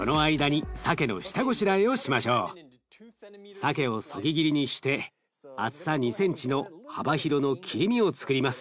さけをそぎ切りにして厚さ２センチの幅広の切り身をつくります。